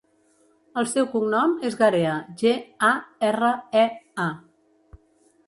El seu cognom és Garea: ge, a, erra, e, a.